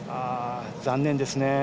残念ですね。